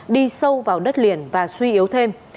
đi sâu vào đất liền và suy yếu thêm